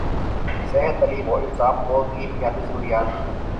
صحت، تعلیم اور انصاف قوم کی بنیادی ضروریات ہیں۔